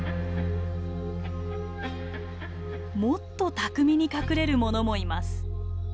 もっと巧みに隠れるものもいます。